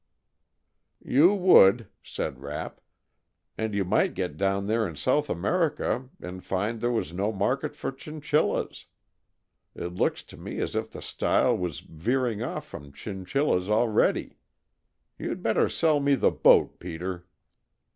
"You would," said Rapp. "And you might get down there in South America and find there was no market for chinchillas. It looks to me as if the style was veering off from chinchillas already. You'd better sell me the boat, Peter."